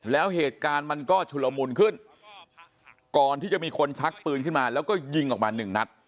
แล้วเหตุการณ์มันก็ชุลมุนขึ้นก่อนที่จะมีคนชักปืนขึ้นมาแล้วก็ยิงออกมาหนึ่งนัด